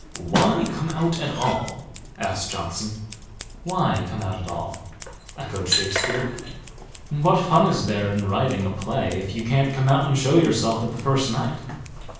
"Why come out at all?" asked Johnson. "Why come out at all?" echoed Shakespeare. "What fun is there in writing a play if you can't come out and show yourself at the first night?